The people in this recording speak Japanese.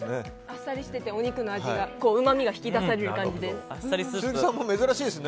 あっさりしててお肉のうまみが引き出される感じです。